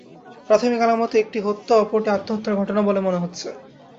প্রাথমিক আলামতে একটি হত্যা ও অপরটি আত্মহত্যার ঘটনা বলে মনে হচ্ছে।